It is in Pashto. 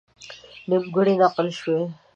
نیمګړې نقل شوې.